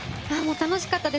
楽しかったです。